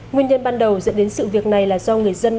nguyên nhân ban đầu dẫn đến sự việc này là do người dân